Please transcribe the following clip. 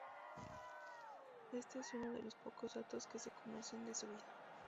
Este es uno de los pocos datos que se conocen de su vida.